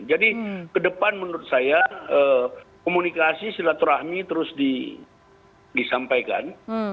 jadi ke depan menurut saya komunikasi silaturahmi terus disampaikan